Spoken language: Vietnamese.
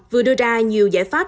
vừa đưa ra nhiều giải pháp